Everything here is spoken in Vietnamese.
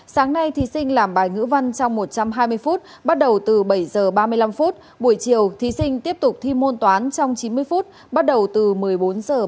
sáng nay thí sinh làm bài ngữ văn trong một trăm hai mươi phút bắt đầu từ bảy h ba mươi năm phút buổi chiều thí sinh tiếp tục thi môn toán trong chín mươi phút bắt đầu từ một mươi bốn h